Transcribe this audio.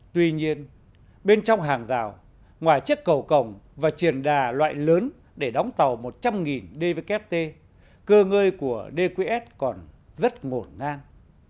tuy nhiên bên trong hàng rào ngoài chiếc cầu cổng và triển đà loại lớn để đóng tàu một trăm linh dvkt cơ ngơi của dqs còn rất ngổn ngang